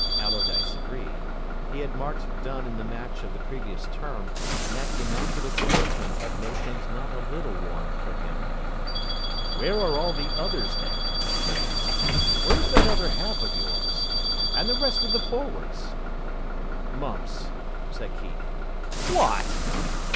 Allardyce agreed. He had marked Dunn in the match of the previous term, and that immaculate sportsman had made things not a little warm for him. "Where are all the others, then?" he asked. "Where's that other half of yours? And the rest of the forwards?" "Mumps," said Keith. "What!"